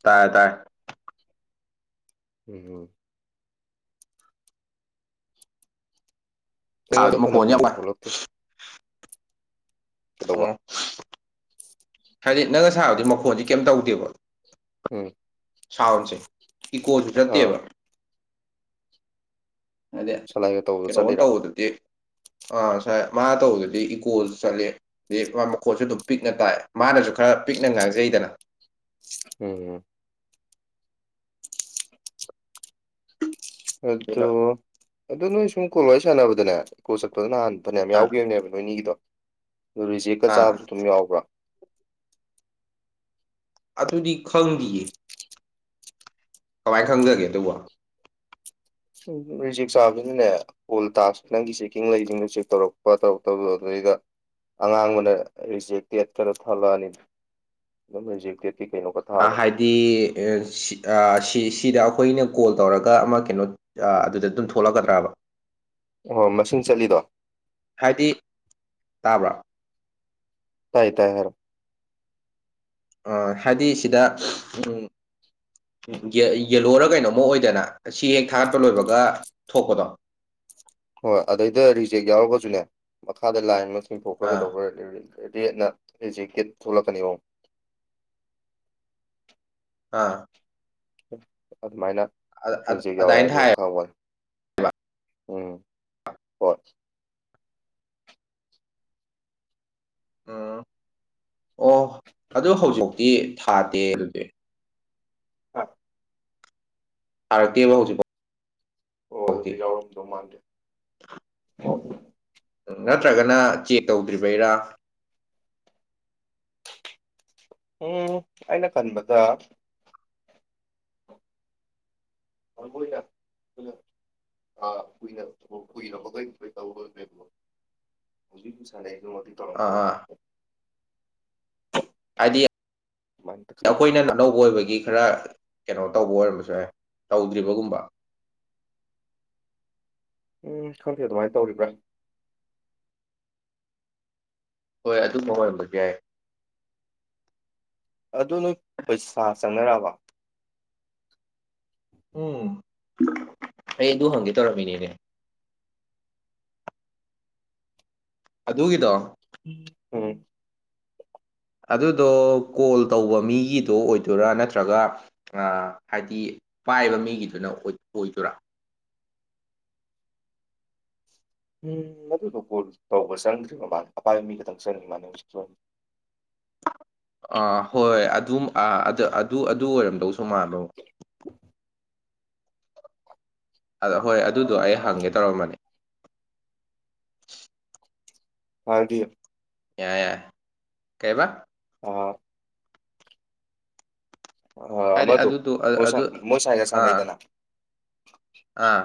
ꯇꯥꯔꯦ ꯇꯥꯔꯦ ꯎꯝꯝ ꯁꯥꯕꯗꯤ ꯑꯩꯉꯣꯟꯗ ꯐꯅ ꯃꯈꯣꯟꯁꯦ ꯌꯥꯝ ꯀꯨꯢꯅ ꯋꯥꯏ ꯊꯣꯛꯂꯛꯇꯦ ꯀꯩꯗꯧꯕ ꯑꯣ ꯍꯥꯏꯗꯤ ꯅꯪꯒ ꯁꯥꯕꯗꯤ ꯃꯈꯣꯟꯗꯤ ꯀꯩꯝ ꯇꯧꯗꯦꯕ ꯎꯝ ꯁꯥꯎꯟꯁꯦ ꯏꯀꯣꯁꯨ ꯑꯥ ꯆꯠꯇꯦꯕ ꯍꯥꯏꯗꯤ ꯁꯂꯥꯏꯒ ꯇꯧꯕꯗ ꯀꯩꯅꯣ ꯆꯠꯂꯤꯔꯥ ꯇꯧꯕꯗꯨꯗꯤ ꯑꯥ ꯉꯁꯥꯏ ꯃꯥ ꯇꯧꯕꯗꯗꯤ ꯏꯀꯣꯁꯨ ꯆꯠꯂ ꯑ ꯃꯈꯣꯠꯁꯨ ꯑꯗꯨꯝ ꯄꯤꯛꯅ ꯇꯥꯏ ꯃꯥꯅꯁꯨ ꯈꯔ ꯄꯤꯛꯅ ꯉꯥꯡꯖꯩꯗꯅ ꯎꯝ ꯑꯗꯨꯅ ꯑꯣ ꯑ ꯅꯣꯏ ꯁꯨꯝ ꯀꯣꯂꯣꯏ ꯁꯥꯟꯅꯕꯗꯅꯦ ꯀꯣ ꯆꯠꯄꯗꯅꯍꯥꯟ ꯐꯅꯌꯥꯝ ꯑꯥ ꯌꯥꯎꯈꯤꯕꯅꯦꯕ ꯅꯣꯏꯅꯤꯒꯤꯗꯣ ꯑꯗꯨꯣ ꯔꯤꯖꯦꯛꯀ ꯑꯥ ꯆꯥꯕꯗ ꯑꯗꯨꯝ ꯌꯥꯎꯕ꯭ꯔꯥ ꯑꯗꯨꯗꯤ ꯈꯪꯗꯌꯦ ꯀꯃꯥꯏꯅ ꯈꯪꯖꯒꯦ ꯑꯗꯨꯕꯣ ꯎꯝ ꯔꯤꯖꯤꯛ ꯆꯥꯕꯁꯤꯅꯅꯦ ꯑꯣꯜ ꯇꯥꯛꯁ ꯅꯪꯒꯤ ꯆꯦꯛꯀꯤꯡ ꯂꯩꯁꯤꯡꯗꯨ ꯆꯦꯛ ꯇꯧꯔꯛꯄ ꯇꯧꯔꯛꯇꯕ ꯑꯗꯨꯗꯩꯗ ꯑꯉꯥꯡꯕꯅ ꯔꯤꯖꯦꯛꯇꯦꯠ ꯀꯩꯅꯣ ꯊꯂꯛꯑꯅꯤ ꯑꯗꯨꯝ ꯔꯤꯖꯦꯛꯇꯦꯠꯀꯤ ꯀꯩꯅꯣ ꯍꯥꯏꯗꯤ ꯁꯤ ꯁꯤꯗ ꯑꯩꯈꯣꯏꯅ ꯀꯣꯜ ꯇꯧꯔꯒ ꯑꯃ ꯀꯩꯅꯣ ꯑ ꯑꯗꯨꯗ ꯑꯗꯨꯝ ꯊꯣꯛꯂꯛꯀꯗ꯭ꯔꯕ ꯑꯣ ꯃꯁꯤꯡ ꯆꯠꯂꯤꯗꯣ ꯍꯥꯏꯗꯤ ꯇꯥꯕ꯭ꯔꯥ ꯇꯥꯏꯌꯦ ꯇꯥꯏ ꯍꯥꯏꯔꯣ ꯑ ꯍꯥꯏꯗꯤ ꯁꯤꯗ ꯎꯝ ꯌꯦꯂꯣꯔ ꯀꯩꯅꯣꯃ ꯑꯣꯏꯗꯅ ꯁꯤ ꯍꯦꯛ ꯊꯥꯒꯠꯄ ꯂꯣꯏꯕꯒ ꯊꯣꯛꯄꯗꯣ ꯍꯣꯏ ꯑꯗꯩꯗ ꯔꯤꯖꯦꯛ ꯌꯥꯎꯔꯒꯁꯨꯅꯦ ꯃꯈꯥꯗ ꯂꯥꯏꯟ ꯑꯃ ꯆꯤꯡꯊꯣꯛꯈ꯭ꯔꯒ ꯑꯥ ꯇꯧꯈ꯭ꯔ [unintelligible] ꯔꯦꯠꯅ ꯑꯩ ꯖꯤꯖꯦꯛꯇꯦꯠ ꯊꯣꯛꯂꯛꯀꯅꯤꯕꯣ ꯑꯥ ꯑꯗꯨꯃꯥꯏꯅ ꯔꯤꯖꯦꯛ ꯌꯥꯎꯋꯤ ꯑꯗꯨꯃꯥꯏꯅ ꯍꯥꯢꯗꯤ ꯊꯥꯏ ꯑꯗꯨꯝ ꯈꯪꯕꯅꯦ ꯎꯝ ꯍꯣꯢ ꯎꯝ ꯑꯣ ꯑꯗꯨ ꯍꯧꯖꯤꯛꯇꯤ ꯊꯥꯗꯦ ꯑꯗꯨꯗꯤ [inaudible] ꯊꯥꯔꯛꯇꯦꯕ ꯍꯧꯖꯤꯛꯚꯧ ꯑꯣ ꯑꯗꯨꯗꯤ ꯌꯥꯎꯔꯝꯗꯧ ꯃꯥꯟꯗꯦ ꯅꯠꯇ꯭ꯔꯒꯅ ꯆꯦꯛ ꯇꯧꯗ꯭ꯔꯤꯕꯩꯔꯥ ꯎꯝ ꯑꯩꯅ ꯈꯟꯕꯗ ꯍꯣꯢ ꯃꯣꯢꯅ ꯀꯨꯏ ꯀꯨꯏꯔꯄ [unintelligible] ꯍꯧꯖꯤꯛꯁꯨꯖꯤꯛ ꯁꯥꯟꯅꯩꯕ ꯃꯈꯩ ꯑꯥ ꯇꯧꯔꯝꯗꯧ ꯑꯥ ꯃꯥꯟꯗꯦ ꯍꯥꯏꯗꯤ ꯑꯗꯨꯃꯥꯏꯅ ꯈꯜꯂꯤ ꯑꯩꯈꯣꯏꯅ ꯑꯅꯧꯕ ꯑꯣꯏꯕꯒꯤ ꯈꯔ ꯀꯩꯅꯣ ꯇꯧꯕ ꯑꯣꯏꯔꯝꯃꯁꯨ ꯌꯥꯢ ꯇꯧꯗ꯭ꯔꯤꯕꯒꯨꯝꯕ ꯎꯝ ꯈꯪꯗꯦ ꯑꯗꯨꯃꯥꯏ ꯇꯧꯔꯤꯕ꯭ꯔꯥ ꯍꯣꯏ ꯑꯗꯨꯒꯨꯝꯕ ꯑꯣꯏꯔꯝꯕꯁꯨ ꯌꯥꯏ ꯑꯗꯨ ꯅꯣꯏ ꯄꯩꯁꯥ ꯆꯪꯅꯔꯛꯑꯕꯣ ꯎꯝ ꯑꯩ ꯑꯗꯨ ꯍꯪꯒꯦ ꯇꯧꯔꯝꯃꯤꯅꯤꯅꯦ ꯑꯗꯨꯒꯤꯗꯣ ꯎꯝ ꯑꯗꯨꯗꯣ ꯀꯣꯜ ꯇꯧꯕ ꯃꯤꯒꯤꯗꯣ ꯑꯣꯏꯗꯣꯏꯔꯥ ꯅꯠꯇ꯭ꯔꯒ ꯑ ꯍꯥꯏꯗꯤ ꯄꯥꯏꯕ ꯃꯤꯒꯤꯗꯨꯅ ꯑꯣꯏꯗꯣꯏꯔꯥ ꯎꯝ ꯑꯗꯨꯗꯣ ꯀꯣꯜ ꯇꯧꯕ ꯆꯪꯗ꯭ꯔꯤꯕ ꯃꯥꯟꯅꯦ ꯑꯄꯥꯏꯕ ꯃꯤ ꯈꯛꯇꯪ ꯆꯪꯉꯤ ꯃꯥꯅꯦ ꯍꯧꯖꯤꯛꯀꯤ ꯑꯣꯢꯅ ꯑꯥ ꯍꯣꯏ ꯑꯗꯨ ꯑꯗꯨ ꯑꯗꯨ ꯑꯣꯏꯔꯝꯗꯧꯁꯨ ꯃꯥꯜꯂꯣ ꯑ ꯍꯣꯏ ꯑꯗꯨꯗꯣ ꯑꯩ ꯍꯪꯒꯦ ꯇꯧꯔꯝꯕꯅꯦ ꯑꯥꯔꯗꯤ ꯌꯥꯏ ꯌꯥꯏ ꯀꯩꯔꯤꯕ ꯑꯣ ꯑ ꯍꯥꯏꯗꯤ ꯃꯗꯨ ꯑꯗꯨꯗꯣ ꯑ ꯃꯣꯁ ꯑꯗꯨ ꯃꯣꯁ ꯍꯥꯏꯒ ꯑꯥ ꯁꯅꯥꯏꯗꯅ ꯑꯥ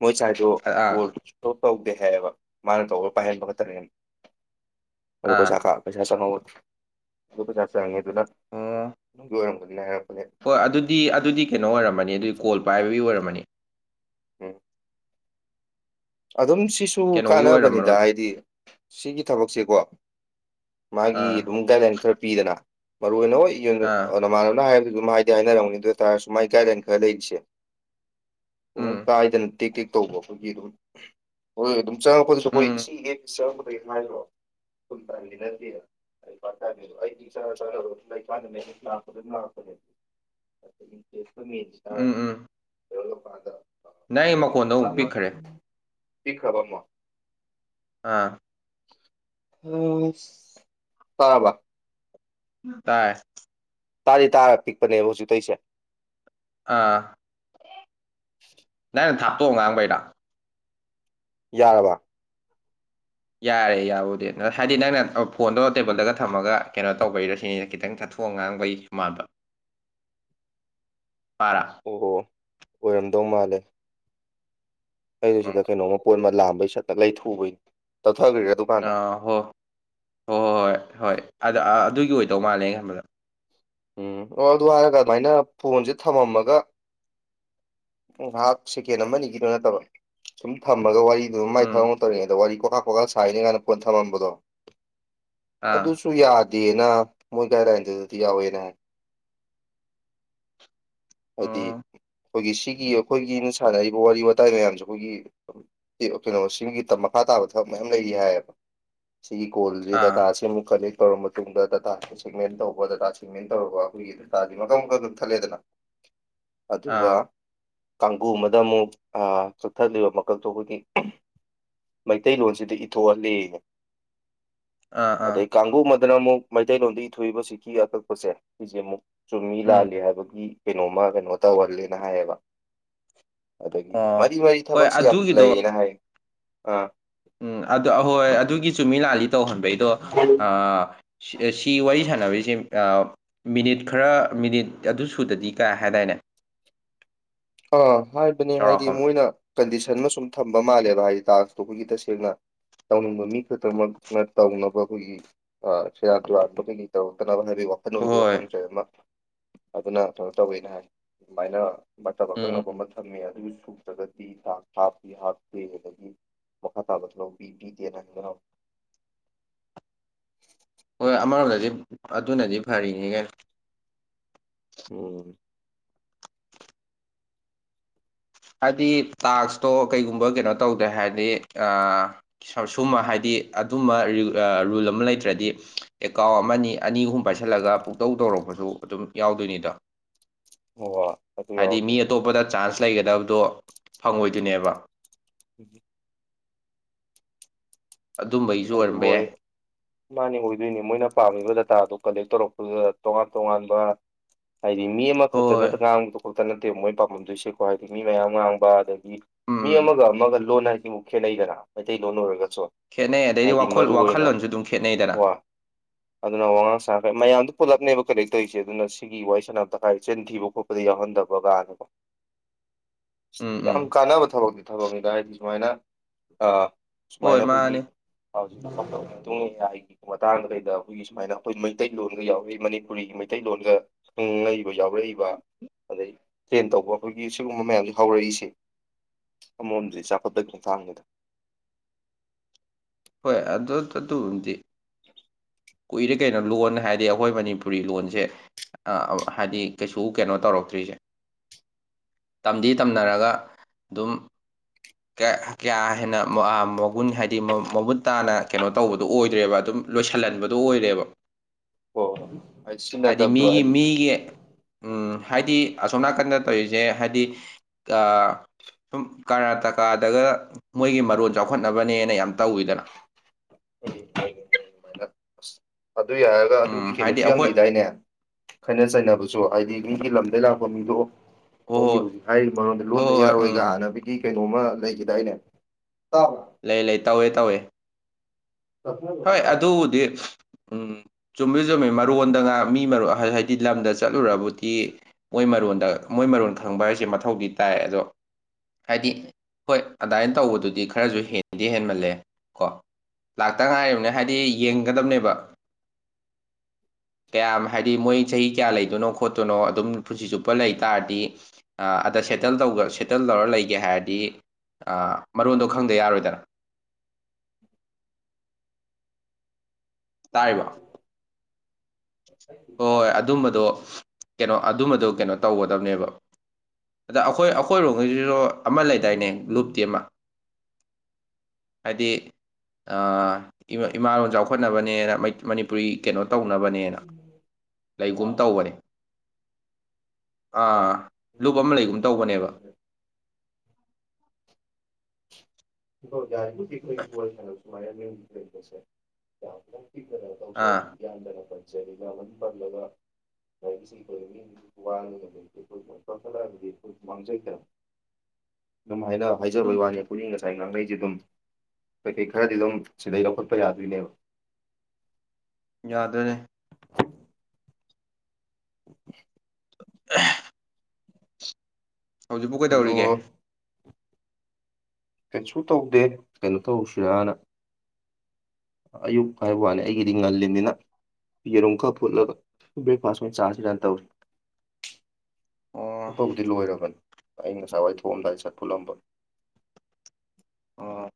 ꯃꯣꯏ ꯁꯥꯏꯗꯣ ꯑꯥ ꯀꯣꯜ ꯁꯨꯇꯧ ꯇꯧꯗꯦ ꯍꯥꯏꯌꯦꯕ ꯃꯥꯅ ꯇꯧꯕꯔꯒ ꯄꯥꯏꯍꯟꯕ ꯈꯛꯇꯅꯦꯅ ꯑꯗꯣ ꯑꯥ ꯄꯩꯁꯥ ꯀ ꯄꯩꯁꯥ ꯆꯪꯍꯧꯋꯦ ꯑꯗꯨ ꯄꯩꯁꯥ ꯆꯪꯉꯦ ꯑꯗꯨꯅ ꯑꯣ ꯑꯗꯨꯒꯤ ꯑꯣꯏꯔꯝꯒꯗꯤꯅ ꯍꯥꯏꯔꯛꯄꯅꯦ ꯍꯣꯏ ꯑꯗꯨꯗꯤ ꯑꯗꯨꯗꯤ ꯀꯩꯅꯣ ꯑꯣꯏꯔꯝꯃꯅꯤ ꯑꯗꯨꯒꯤ ꯀꯣꯜ ꯄꯥꯏꯕꯒꯤ ꯑꯣꯏꯔꯝꯃꯅꯤ ꯎꯝ ꯑꯗꯨꯝ ꯁꯤꯁꯨ ꯀꯩꯅꯣꯒꯤ ꯀꯥꯟꯅꯕꯅꯤꯗ ꯑꯣꯏꯔꯝꯃꯔꯣꯏꯕ ꯍꯥꯏꯗꯤ ꯁꯤꯒꯤ ꯊꯕꯛꯁꯦꯀꯣ ꯃꯥꯒꯤ ꯑꯥ ꯑꯗꯨꯝ ꯒꯥꯏꯗꯂꯥꯏꯟ ꯈꯔ ꯄꯤꯗꯅ ꯃꯔꯨ ꯑꯣꯏꯅ ꯍꯣꯏ ꯑꯥ ꯅꯃꯥꯟꯅꯕꯅ ꯍꯥꯏꯕꯗꯨ ꯍꯥꯏꯅꯔꯝꯅꯤ ꯑꯗꯨ ꯑꯣꯏꯇꯥꯥꯔꯁꯨ ꯃꯥꯏ ꯒꯥꯏꯗꯂꯥꯏꯟ ꯈꯔ ꯂꯩꯔꯤꯁꯦ ꯎꯝ ꯀꯥꯏꯗꯅ ꯇꯦꯛ ꯇꯦꯛ ꯇꯧꯕ ꯑꯩꯈꯣꯏꯒꯤ ꯑꯗꯨꯝ ꯍꯣꯏ ꯑꯗꯨꯝ ꯆꯪꯉꯛꯄꯗꯁꯨ ꯑꯩꯈꯣꯏ ꯎꯝ ꯏꯁꯤꯡ ꯌꯦ ꯆꯪꯕꯗꯒꯤ ꯍꯥꯏꯕ꯭ꯔꯣꯅꯗꯦ ꯑꯩ ꯄꯅꯤ ꯑꯩꯗꯤꯔ ꯂ ꯂꯥꯛꯥꯛ ꯀꯃꯤꯦ ꯎꯝ ꯎꯝ ꯑꯦꯣ ꯄꯥꯇ ꯅꯪ ꯑꯩꯒꯤ ꯃꯈꯣꯟꯗꯣ ꯑꯃꯨꯛ ꯄꯤꯛꯈ꯭ꯔꯦ ꯏ ꯈꯕ ꯃꯣ ꯎꯝ ꯎꯝ ꯇꯔꯕ ꯇꯥꯏ ꯇꯥꯔꯤ ꯇꯥꯔꯒ ꯄꯤꯛꯄꯅꯦꯕ ꯍꯧꯖꯤꯛꯇꯩ ꯑꯩꯁꯦ ꯑꯥ ꯅꯪꯩꯅ ꯊꯥꯞꯇꯣꯛꯑꯣ ꯉꯥꯡꯕꯩꯔ ꯌꯥꯔꯕ ꯌꯥꯔꯦ ꯌꯥꯕꯨꯗꯤ ꯍꯥꯏꯗꯤ ꯅꯪꯅ ꯐꯣꯟꯗꯣ ꯇꯦꯕꯜꯗꯒ ꯊꯝꯃꯒ ꯀꯩꯅꯣ ꯇꯧꯕꯩꯔ ꯁꯤꯅꯤ ꯈꯤꯇꯪ ꯆꯠꯊꯣꯛ ꯐꯣꯡ ꯉꯥꯡꯕꯩꯃꯥꯗ [inaudible] ꯑꯔꯥ ꯑꯣ ꯑꯣꯏꯔꯝꯗꯧ ꯃꯥꯜꯂꯦ ꯑꯩꯗꯨ ꯎꯝ ꯁꯤꯗ ꯀꯩꯅꯣꯝꯃ ꯄꯣꯠ ꯑꯃ ꯂꯥꯝꯕꯩ ꯁꯠꯇꯛ ꯂꯩ ꯊꯨꯕꯩꯅꯤ ꯇꯠꯊꯈ꯭ꯔꯦ ꯑꯗꯨ ꯑꯥ ꯍꯣꯏ ꯍꯣꯏ ꯍꯣꯏ ꯍꯣꯏ ꯍꯣꯏ ꯑꯗ ꯑꯗꯨꯒꯤ ꯑꯣꯏꯗꯧ ꯃꯥꯜꯂꯦ ꯈꯟꯕꯗ ꯎꯝ ꯑꯣ ꯑꯗꯨ ꯍꯥꯏꯔꯒ ꯑꯗꯨꯃꯥꯏꯅ ꯐꯣꯟꯁꯦ ꯊꯝꯃꯝꯃꯒ ꯎ ꯍꯥꯞ ꯁꯦꯀꯦꯟ ꯑꯃꯅꯤ ꯑꯅꯤꯒꯤꯗꯨꯣ ꯅꯠꯇꯕ ꯁꯨꯝ ꯊꯝꯃꯒ ꯋꯥꯔꯤꯗꯨ ꯑꯗꯨ ꯃꯥꯏ ꯎꯝ ꯊꯕꯅ ꯇꯧꯔꯤꯉꯩꯗ ꯋꯥꯔꯤ ꯀꯣꯀꯥ ꯀꯣꯀꯥ ꯁꯥꯥꯏꯔꯤ ꯀꯥꯏꯅ ꯄꯣꯠ ꯊꯝꯃꯝꯕꯗꯣ ꯑꯥ ꯑꯗꯨꯁꯨ ꯌꯥꯗꯦꯅ ꯃꯣꯏ ꯒꯥꯏꯗꯂꯥꯏꯟꯗꯨꯗꯗꯤ ꯌꯥꯎꯋꯦꯅ ꯍꯥꯏ ꯍꯥꯏꯗꯤ ꯎꯝ ꯑꯩꯈꯣꯏꯒꯤ ꯁꯤꯒꯤ ꯑꯩꯈꯣꯏꯒꯤꯅ ꯁꯥꯟꯅꯔꯤꯕ ꯋꯥꯔꯤ ꯋꯥꯇꯥꯏ ꯃꯌꯥꯝꯁꯦ ꯑꯩꯈꯣꯏꯒꯤ ꯀꯩꯅꯣꯁꯤꯡꯒꯤ ꯃꯈꯥ ꯇꯥꯕ ꯊꯕꯛ ꯃꯌꯥꯝ ꯂꯩꯔꯤ ꯍꯥꯏꯌꯦꯕ ꯁꯤ ꯀꯣꯖꯦꯗ ꯑꯥ ꯇꯁꯤꯦꯃ ꯀꯂ ꯇꯧꯔꯕ ꯃꯇꯨꯡꯗ ꯗꯗꯥꯇꯥ ꯁꯦꯛꯃꯦꯟ ꯇꯧꯕ ꯗꯗꯥꯇꯥ ꯁꯦꯛꯃꯦꯟ ꯇꯧꯔꯒ ꯑꯩꯈꯣꯏꯒꯤ ꯗꯗꯥꯇꯥꯗꯤ ꯃꯈꯜ ꯃꯈꯜꯗꯨ ꯊꯠꯂꯦꯗꯅ ꯑꯗꯨꯒ ꯑꯥ ꯀꯥꯡꯒꯨ ꯑꯃꯗ ꯑꯃꯨꯛ ꯆꯠꯊꯠꯂꯤꯕ ꯃꯀꯛꯛꯇꯣ ꯑꯩꯈꯣꯏꯒꯤ ꯃꯩꯇꯩꯂꯣꯟꯁꯤꯗ ꯏꯊꯣꯛꯍꯂ ꯑꯥ ꯑꯥ ꯑꯩ ꯀꯥꯡꯒꯕꯨ ꯑꯃꯗꯅ ꯑꯃꯨꯛ ꯃꯩꯇꯩꯂꯣꯟꯗꯒꯤ ꯏ ꯊꯣꯛꯏꯕ ꯁꯤꯈꯤ ꯑꯀꯛꯄꯁꯦ ꯁꯤꯁꯦ ꯑꯃꯨꯛ ꯆꯨꯝꯃꯤ ꯎꯝ ꯂꯥꯜꯂꯤ ꯍꯥꯏꯕꯒꯤ ꯀꯩꯅꯣꯃ ꯀꯩꯅꯣ ꯇꯧꯍꯜꯂꯦꯅ ꯍꯥꯏꯌꯦꯕ ꯑꯗꯒꯤ ꯑꯣ ꯃꯔꯤ ꯃꯔꯤ ꯍꯣꯏ ꯊꯕꯛꯁꯨ ꯌꯥꯝ ꯑꯗꯨꯒꯤꯗꯣ ꯂꯩꯌꯦꯅ ꯍꯥꯏ ꯑꯥ ꯎꯝ ꯑꯗꯨ ꯑꯍꯣꯏ ꯑꯗꯨꯒꯤ ꯆꯨꯝꯃꯤ ꯂꯥꯜꯂꯤ ꯇꯧꯍꯟꯕꯩꯗꯣ ꯁꯤꯗ ꯁꯤ ꯋꯥꯔꯤ ꯁꯥꯟꯅꯕꯩꯁꯦ ꯑꯥ ꯃꯤꯅꯤꯠ ꯈꯔ ꯃꯤꯅꯤꯠ ꯑꯗꯨ ꯁꯨꯗꯗꯤ ꯀꯥꯏ ꯍꯥꯏꯗꯥꯏꯅꯦ ꯑꯥ ꯍꯥꯏꯕꯅꯦ ꯍꯥꯏꯗꯤ ꯆꯥꯎꯔꯥꯛꯄ ꯃꯣꯏꯅ ꯀꯟꯗꯤꯁꯟ ꯑꯃ ꯁꯨꯝ ꯊꯝꯕ ꯃꯥꯜꯂꯦꯕ ꯍꯥꯏꯗꯤ ꯇꯥꯡꯁꯇꯣ ꯑꯩꯈꯣꯏꯗꯤ ꯇꯁꯦꯡꯅ ꯇꯧꯅꯤꯡꯕ ꯃꯤ ꯈꯛꯇꯃꯛꯅ ꯇꯧꯅꯕ ꯑꯩꯈꯣꯏꯒꯤ ꯑꯥ ꯁꯦꯔꯟ ꯇꯨꯔꯟꯕ ꯀꯩ ꯀꯩ ꯇꯧꯔꯛꯇꯅꯥꯕꯥ ꯍꯥꯏꯗꯤ ꯀꯣ ꯑꯃ ꯊꯅꯣꯏꯗꯨꯒ ꯍꯣꯏ ꯐꯪꯗ꯭ꯔꯦ ꯑꯃ ꯑꯗꯨꯅ ꯀꯩꯅꯣ ꯇꯧꯋꯦꯅ ꯍꯥꯏ ꯑꯗꯨꯃꯥꯏꯅ ꯎꯝ ꯐꯠꯇꯕꯀꯛꯅꯕ ꯑꯃ ꯊꯝꯃꯦ ꯑꯗꯨꯒꯤꯁꯨ ꯅꯠꯇ꯭ꯔꯒꯗꯤ ꯍꯥꯞꯄꯤꯄꯤ ꯍꯥꯞꯄꯤꯦ ꯑꯗꯒꯤ ꯃꯈꯥ ꯇꯥꯕꯁꯨ ꯂꯧꯕ ꯄꯤ ꯄꯤꯗꯦꯅ ꯍꯥꯏꯕꯅ ꯍꯣꯏ ꯑꯃꯔꯣꯝꯗꯗꯤ ꯑꯗꯨꯅꯗꯤ ꯐꯔꯤꯅꯤ ꯀꯩꯅ ꯑꯣ ꯍꯥꯏꯗꯤ ꯇꯥꯛꯁꯇꯣ ꯀꯩꯒꯨꯝꯕ ꯀꯩꯅꯣ ꯇꯧꯗꯦ ꯍꯥꯏꯔꯗꯤ ꯑꯥ ꯁꯨꯝꯕ ꯍꯥꯏꯗꯤ ꯑꯗꯨꯝꯕ ꯔꯨꯜ ꯑꯃ ꯂꯩꯇ꯭ꯔꯗꯤ ꯑꯦꯀꯥꯎ ꯑꯃꯅꯤ ꯑꯅꯤ ꯑꯍꯨꯝ ꯄꯥꯏꯁꯤꯜꯂꯒ ꯄꯨꯡꯇꯧ ꯇꯧꯔꯛꯄꯁꯨ ꯑꯗꯨꯝ ꯌꯥꯎꯗꯣꯏꯅꯤꯗꯣ [inaudible] ꯑꯣ ꯑꯗꯨ ꯍꯥꯏꯗꯤ ꯃꯤ ꯌꯥꯎꯔꯛꯄ ꯑꯇꯣꯞꯄꯗ ꯆꯥꯟꯁ ꯂꯩꯒꯗꯕꯗꯣ ꯐꯪꯉꯣꯏꯗꯨꯣꯏꯅꯦꯕ [inaudible] ꯑꯗꯨꯝꯕꯒꯤꯁꯨ ꯍꯥꯏꯗꯤ ꯑꯣꯏꯔꯝꯕ ꯌꯥꯏ ꯃꯣꯏ ꯃꯥꯅꯦ ꯑꯣꯏꯗꯣꯏꯅꯤ ꯃꯣꯏꯅ ꯄꯥꯝꯃꯤꯕ ꯗꯇꯥꯗꯨ ꯀꯂꯦꯛ ꯇꯧꯔꯛꯄꯗꯨꯗ ꯇꯣꯉꯥꯟ ꯇꯣꯉꯥꯟꯕ ꯍꯥꯏꯗꯤ ꯃꯤ ꯑꯃ ꯈꯛꯇꯅ ꯍꯣꯏ ꯉꯥꯡꯕꯗꯣ ꯈꯛꯇ ꯅꯠꯇꯦꯕ ꯃꯣꯏ ꯄꯥꯝꯗꯣꯏꯁꯦꯀꯣ ꯍꯥꯏꯗꯤ ꯃꯤ ꯃꯌꯥꯝ ꯉꯥꯡꯕ ꯑꯗꯩ ꯃꯤ ꯎꯝ ꯑꯃꯒ ꯑꯃꯒ ꯂꯣꯟ ꯍꯥꯏꯁꯤꯕꯨꯨ ꯈꯦꯠꯅꯩꯗꯅ ꯃꯩꯇꯩꯂꯣꯟ ꯑꯣꯏꯔꯒꯁꯨ ꯈꯦꯠꯅꯩ ꯑꯗꯩꯗꯤ ꯍꯥꯏꯗꯤ ꯋꯥꯈꯜ ꯃꯔꯨ ꯑꯣꯏꯅ ꯋꯥꯈꯜꯂꯣꯟꯁꯨ ꯑꯗꯨꯝ ꯈꯦꯠꯅꯩꯗꯅ ꯋꯥ ꯑꯗꯨꯅ ꯋꯥꯉꯥꯡ ꯁꯥꯉꯥꯡ ꯃꯌꯥꯝꯗꯣ ꯄꯨꯜꯂꯞꯅꯦꯕ ꯀꯂꯦꯛ ꯇꯧꯔꯤꯁꯦ ꯑꯗꯨꯅ ꯁꯤ ꯑꯩꯒꯤ ꯋꯥꫪꯤ ꯁꯟꯅꯕꯇ ꯀꯥꯏ ꯆꯤꯟ ꯊꯤꯕ ꯈꯣꯠꯄꯗꯤ ꯌꯥꯎꯍꯟꯗꯕ ꯀꯅꯥꯀꯣ ꯎꯝ ꯎꯝ ꯌꯥꯝ ꯀꯥꯟꯅꯕ ꯊꯕꯛꯇꯤ ꯊꯕꯛꯅꯤꯗ ꯍꯥꯏꯗꯤ ꯁꯨꯃꯥꯏꯅ ꯑ ꯍꯣꯏ ꯁꯨꯃꯥꯏꯅ ꯃꯥꯅꯤ ꯑꯩꯈꯣꯏꯒꯤ [unintelligible] ꯃꯇꯥꯡꯗ ꯀꯩꯗ ꯑꯩꯈꯣꯏꯒꯤ ꯁꯨꯃꯥꯏꯅ ꯑꯩꯈꯣꯏ ꯃꯩꯇꯩꯂꯣꯟꯒ ꯌꯥꯎꯋꯤ ꯃꯅꯤꯄꯨꯔꯤꯒꯤ ꯃꯩꯇꯩꯂꯣꯟꯒ ꯈꯪꯉꯛꯏꯕ ꯌꯥꯎꯔꯛꯏꯕ ꯑꯗꯩ ꯇ꯭ꯔꯦꯟ ꯇꯧꯕ ꯑꯩꯈꯣꯏꯒꯤ ꯁꯤꯒꯨꯝꯕ ꯃꯌꯥꯝꯁꯦ ꯍꯧꯔꯛꯏꯁꯦ ꯑꯃꫪꯣꯝꯗꯗꯤ ꯆꯥꯎꯈꯠꯄꯩ ꯈꯣꯡꯊꯥꯡꯅꯤ ꯍꯣꯏ ꯑꯗꯨ ꯑꯗꯨꯕꯨꯗꯤ [unintelligible] [inaudible] ꯀꯨꯏꯔꯦ ꯀꯩꯅꯣ ꯂꯣꯟ ꯍꯥꯏꯗꯤ ꯑꯩꯈꯣꯏ ꯃꯅꯤꯄꯨꯔꯤ ꯂꯣꯟꯁꯦ ꯑꯥ ꯍꯥꯏꯗꯤ ꯀꯩꯁꯨ ꯀꯩꯅꯣ ꯇꯧꯔꯛꯇ꯭ꯔꯤꯁꯦ ꯇꯝꯗꯤ ꯇꯝꯅꯔꯒ ꯑꯗꯨꯝ [unintelligible] [inaudible] ꯀꯌꯥ ꯍꯦꯟꯅ ꯃꯒꯨꯟ ꯍꯥꯏꯗꯤ ꯃꯃꯨꯠ ꯇꯥꯅ ꯀꯩꯅꯣ ꯇꯧꯕꯗꯣ ꯑꯣꯏꯗ꯭ꯔꯦꯕ ꯑꯗꯨꯝ ꯂꯣꯏꯁꯤꯜꯍꯟꯕ ꯗꯣ ꯑꯣꯏꯔꯦꯕ ꯍꯣꯏ ꯍꯣꯏ ꯑꯩ ꯍꯥꯏꯗꯤ ꯁꯤꯖꯤꯟꯅꯗꯕꯗꯣ ꯃꯤꯒꯤ ꯑꯩꯗꯤ ꯃꯤꯒꯤ ꯎꯝ ꯍꯥꯏꯗꯤ ꯑꯁꯣꯝ ꯅꯥꯀꯟꯗ ꯇꯧꯔꯤꯁꯦ ꯍꯥꯏꯗꯤ ꯑꯥ ꯁꯨꯝ ꯀꯔꯅꯥꯇꯀꯥꯗꯒ ꯃꯣꯏꯒꯤ ꯃꯔꯣꯟ ꯆꯥꯎꯈꯠꯅꯕꯅꯦꯅ ꯌꯥꯝ ꯇꯧꯋꯤꯗꯅ ꯑꯗꯨꯏ ꯍꯥꯏꯔꯒ ꯑꯗꯨꯒꯤ ꯎꯝ ꯍꯥꯏꯗꯤ ꯀꯩꯅꯣꯁꯨ ꯌꯥꯝ ꯑꯩꯈꯣꯏ ꯂꯩꯗꯥꯏꯅꯦ ꯈꯠꯅ ꯆꯩꯅꯕꯁꯨ ꯍꯥꯏꯗꯤ ꯃꯤꯒꯤ ꯂꯝꯗꯩ ꯂꯥꯛꯄ ꯃꯤꯗꯨꯣ ꯍꯣꯏ ꯃꯣꯏꯒꯤ ꯍꯣꯏ ꯍꯧꯖꯤꯛ ꯍꯥꯏꯔꯤꯕ ꯃꯔꯣꯟꯗ‌ꯣ ꯍꯣꯏ ꯂꯣꯟꯗ ꯍꯣꯏ ꯎꯝ ꯌꯥꯔꯣꯏꯒꯥꯏꯅ ꯀꯩꯅꯣꯝꯃ ꯂꯩꯈꯤꯗꯥꯏꯅꯦ ꯂꯩ ꯂꯩ ꯇꯧꯋꯦ ꯇꯧꯋꯦ ꯇꯞꯅ ꯇꯞꯅ ꯍꯣꯏ ꯇꯥꯔꯤ ꯑꯗꯨꯕꯨꯗꯤ ꯎꯝ ꯆꯨꯝꯕꯨꯗꯤ ꯆꯨꯝꯃꯦ ꯃꯔꯣꯟꯗꯒ ꯃꯤ ꯃꫪꯣꯟ ꯍꯥꯏ ꯍꯥꯏꯗꯤ ꯂꯝꯗ ꯆꯠꯂꯨꯔꯕꯨꯗꯤ ꯃꯣꯏ ꯃꯔꯣꯟꯗ ꯃꯣꯏ ꯃꯔꯣꯟ ꯈꯪꯕ ꯍꯥꯏꯁꯦ ꯃꯊꯧꯗꯤ ꯇꯥꯏ ꯑꯗꯣ ꯍꯥꯏꯗꯤ ꯍꯣꯏ ꯑꯗꯥꯏ ꯇꯧꯕꯗꯨꯗꯤ ꯈꯔꯁꯨ ꯍꯦꯟꯗꯤ ꯍꯦꯟꯃꯜꯂꯦ ꯀꯣ [unintelligible] ꯍꯥꯏꯗꯤ ꯌꯦꯡꯒꯗꯕꯅꯦꯕ [inaudible] ꯀꯌꯥꯝ ꯍꯥꯏꯗꯤ ꯃꯣꯏ ꯆꯍꯤ ꯀꯌꯥ ꯂꯩꯗꯣꯏꯅꯣ ꯈꯣꯠꯇꯣꯏꯅꯣ ꯑꯗꯨꯝ ꯄꯨꯟꯁꯤ ꯆꯨꯞꯄ ꯂꯩ ꯇꯥꯔꯗꯤ ꯑꯗ ꯁꯦꯇꯜ ꯇꯧꯕ ꯁꯦꯇꯜ ꯇꯧꯔ ꯂꯩꯒꯦ ꯍꯥꯏꯔꯗꯤ ꯃꯔꯣꯟꯗꯣ ꯈꯪꯗ ꯌꯥꯔꯣꯏꯗꯅ ꯇꯥꯥꯔꯤꯕꯣ ꯍꯣꯏ ꯍꯣꯏ ꯏꯇꯥꯎ ꯑꯗꯨꯝꯕꯗꯣ ꯀꯩꯅꯣ ꯑꯗꯨꯝꯕꯗꯣ ꯀꯩꯅꯣ ꯇꯧꯒꯗꯕꯅꯦꯕ ꯑꯗ ꯑꯩꯈꯣꯏ ꯑꯩꯈꯣꯏꯔꯣꯝꯒꯤꯁꯤꯁꯨ ꯑꯃ ꯂꯩꯗꯥꯏꯅꯦ ꯂꯨꯞꯒꯤ ꯑꯃ ꯍꯥꯏꯗꯤ ꯏꯃꯥꯂꯣꯟ ꯆꯥꯎꯈꯠꯅꯕꯅꯦꯅ ꯑꯃ ꯃꯅꯤꯄꯨꯔꯤ ꯀꯩꯅꯣ ꯇꯧꯅꯕꯅꯦꯅ ꯂꯩꯒꯨꯝ ꯇꯧꯕꯅꯦ ꯑꯥ ꯂꯨꯞ ꯑꯃ ꯂꯩꯒꯨꯝ ꯇꯧꯕꯅꯦꯕ [unintelligible] ꯑꯥ [unintelligible] [unintelligible] ꯑꯗꯨꯝ ꯍꯥꯏꯅ ꯍꯥꯏꯖꯕꯩ ꯎꯝ ꯋꯥꯅꯤ ꯄꯨꯛꯅꯤꯡꯉꯁꯤ ꯉꯁꯥꯏ ꯉꯥꯡꯈꯩꯁꯤ ꯑꯗꯨꯝ ꯀꯩꯀꯩ ꯈꯔꯗꯤ ꯑꯗꯨꯝ ꯁꯤꯗꯩ ꯂꯧꯈꯠꯄ ꯌꯥꯗꯣꯏꯅꯦꯕ ꯌꯥꯗ꯭ꯔꯅꯦ [unintelligible] [inaudible] ꯍꯧꯖꯤꯛꯕꯨ ꯑꯗꯣ ꯀꯩꯗꯧꯔꯤꯒꯦ ꯀꯩꯁꯨ ꯇꯧꯗꯦ ꯀꯩꯅꯣ ꯇꯧꯁꯤꯔꯅ ꯑꯌꯨꯛ ꯍꯥꯏꯕ ꯋꯥꯅꯤ ꯑꯩꯒꯤꯗꯤ ꯉꯜꯂꯤꯅꯤꯅ ꯌꯦꯔꯨꯝ ꯈꯥꯔ ꯐꯨꯠꯂꯒ ꯕ꯭ꯔꯦꯛꯐꯥꯁ ꯑꯣꯏꯅ ꯆꯥꯔꯁꯤ ꯔꯅ ꯇꯧꯔꯤ ꯑꯣ ꯐꯨꯠꯄꯕꯨꯗꯤ ꯂꯣꯏꯔꯕꯅꯤ ꯑꯩ ꯉꯁꯥꯏꯋꯥꯏ ꯊꯣꯛꯑꯝꯗꯥꯏꯗ ꯁꯥꯠ ꯐꯨꯠꯂꯝꯕ ꯑꯣ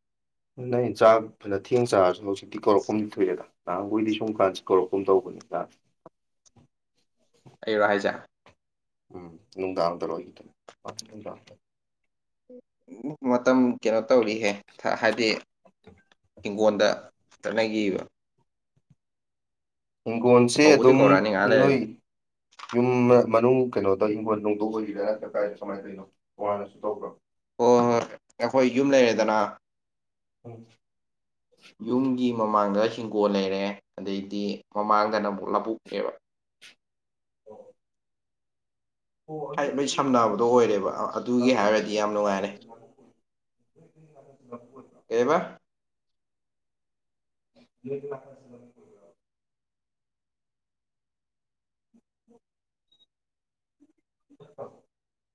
ꯅꯪꯒꯤ ꯆꯥꯛ ꯐꯥꯅ ꯊꯦꯡꯅ ꯆꯥꯔꯁꯨ ꯍꯧꯖꯤꯛꯇꯤ ꯀꯧꯔꯛꯐꯝꯗꯤ ꯊꯣꯛꯑꯦꯗ ꯅꯍꯥꯟ ꯈꯩꯗꯤ ꯁꯨꯝ ꯀꯥꯟꯁꯤ ꯀꯧꯔꯛꯀꯨꯝ ꯇꯧꯕꯅꯤꯗ ꯑꯩꯔꯣ ꯍꯥꯏꯖꯦ ꯎꯝ ꯅꯨꯡꯗꯥꯡꯗꯥꯔꯣ ꯑꯌꯨꯛꯗꯥꯔꯣ ꯑꯣ ꯅꯨꯡꯗꯥꯡꯗ ꯃꯇꯝ ꯀꯩꯅꯣ ꯇꯧꯔꯤꯍꯦ ꯍꯥꯏꯕꯗꯤ ꯍꯤꯡꯒꯣꯜꯗ ꯆꯠꯅꯒꯤꯕ ꯍꯤꯡꯒꯣꯜꯁꯦ ꯀꯧꯕꯗꯤ ꯑꯗꯨꯝ ꯀꯧꯔꯛꯑꯅꯤ ꯉꯥꯏꯍꯥꯛ ꯅꯣꯏ ꯂꯩꯔꯗꯤ ꯌꯨꯝ ꯃꯅꯨꯡ ꯀꯩꯅꯣꯗ ꯍꯤꯡꯈꯣꯜ ꯅꯣꯡꯗꯣꯛ ꯑꯣꯏꯔꯤꯔ ꯅ ꯀ [inaudible] ꯀꯥꯏꯔꯦ ꯀꯃꯥꯏꯅ ꯇꯧꯅꯣ ꯀꯣꯉꯥꯏꯅꯁꯨ ꯇꯧꯕ꯭ꯔꯣ [inaudible] ꯍꯣꯏ ꯍꯣꯏ ꯑꯩꯈꯣꯏ ꯌꯨꯝ ꯂꯩꯔꯦꯗꯅ ꯎꯝ [inaudible] ꯌꯨꯝꯒꯤ ꯃꯃꯥꯡꯗ ꯍꯤꯡꯒꯣꯜ ꯂꯩꯔꯦ ꯑꯗꯩꯗꯤ ꯃꯃꯥꯡꯗꯅ ꯑꯃꯨꯛ ꯂꯧꯕꯨꯛꯅꯦꯕ ꯑꯣ ꯑꯗꯨ ꯍꯥꯢꯗꯤ ꯂꯣꯢ ꯅꯣꯏ ꯅꯥꯀꯟꯁꯤ ꯁꯝꯅꯕꯗꯣ ꯂꯧꯕꯨꯛ ꯑꯣꯏꯔꯦꯕ ꯑꯣꯏꯕ꯭ꯔꯣ? ꯅꯣꯏ ꯑꯗꯨꯒꯤ ꯍꯥꯏꯔꯗꯤ ꯌꯥꯝ ꯅꯨꯡꯉꯥꯏꯔꯦ ꯅꯥꯀꯟꯁꯤ [inaudible] ꯀꯩꯕꯥ ꯊ [inaudible] ꯑ [inaudible]